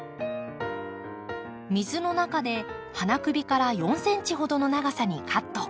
水の中で花首から４ｃｍほどの長さにカット。